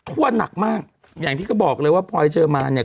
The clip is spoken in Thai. หนักมากอย่างที่เขาบอกเลยว่าพลอยเจอมานเนี่ย